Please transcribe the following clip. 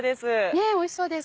ねぇおいしそうです。